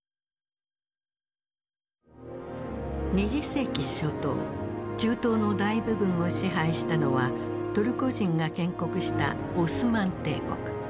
２０世紀初頭中東の大部分を支配したのはトルコ人が建国したオスマン帝国。